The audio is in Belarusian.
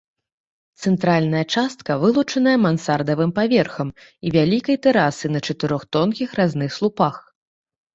Цэнтральная частка вылучаная мансардавым паверхам і вялікай тэрасай на чатырох тонкіх разных слупах.